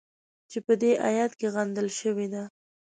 چې په دې ایت کې غندل شوې ده.